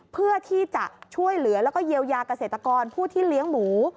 เพื่อที่จะช่วยเหลือแล้วก็เยียวยาเกษตรกรผู้ที่เลี้ยงหมู